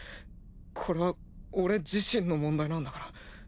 これは俺自身の問題なんだから。